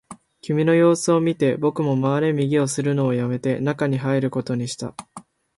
君の様子を見て、僕も回れ右をするのをやめて、中に入ることにした